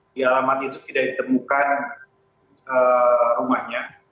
di alaman itu tidak ditemukan rumahnya